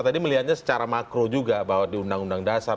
tadi melihatnya secara makro juga bahwa di undang undang dasar